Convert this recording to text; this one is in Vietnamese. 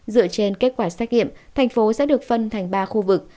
dựa trên kết quả xét nghiệm thành phố sẽ được phân thành ba khu vực